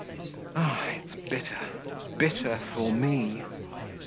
Ah, it's bitter, bitter for me!...